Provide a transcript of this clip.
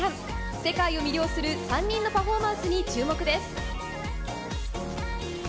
世界を魅了する３人のパフォーマンスに注目です。